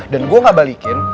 dan gue gak balikin